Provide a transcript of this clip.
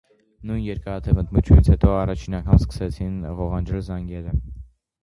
Նույն երկարատև ընդմիջումից հետո առաջին անգամ սկսեցին ղողանջել զանգերը։